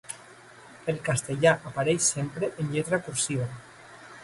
El castellà apareix sempre en lletra cursiva.